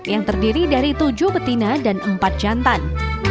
yang terdiri dari tujuh betina dan empat jantan